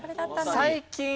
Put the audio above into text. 最近。